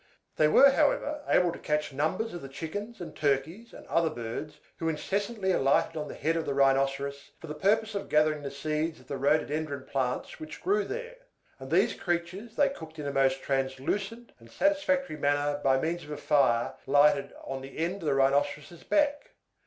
They were, however, able to catch numbers of the chickens and turkeys and other birds who incessantly alighted on the head of the Rhinoceros for the purpose of gathering the seeds of the rhododendron plants which grew there; and these creatures they cooked in the most translucent and satisfactory manner by means of a fire lighted on the end of the Rhinoceros's back.